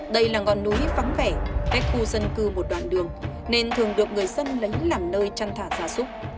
đây là ngọn núi vắng vẻ cách khu dân cư một đoạn đường nên thường được người dân lấy làm nơi chăn thả ra súc